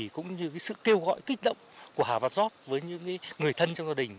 cũng như sự kêu gọi kích động của hà văn giót với những người thân trong gia đình